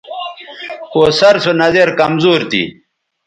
کوثر سو نظِر کمزور تھی